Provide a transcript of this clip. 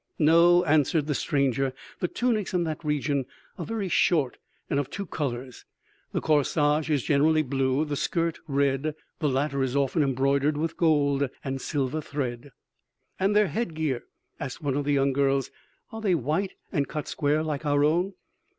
"No," answered the stranger; "the tunics in that region are very short and of two colors. The corsage is generally blue, the skirt red. The latter is often embroidered with gold and silver thread." "And their head gear?" asked one of the young girls. "Are they white and cut square like our own?"